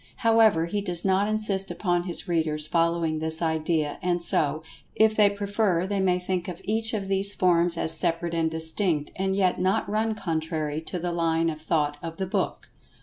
However, he does not insist upon his readers following this idea, and so, if they prefer, they may think of each of these[Pg 127] forms as separate and distinct, and yet not run contrary to the line of thought of the book.